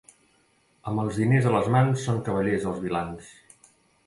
Amb els diners a les mans són cavallers els vilans.